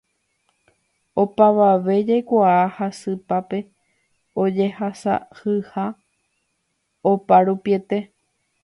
Opavave jaikuaa jasypápe ojehasa'asyha oparupiete